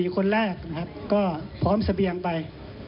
คนแรกนะครับก็พร้อมเสบียงไป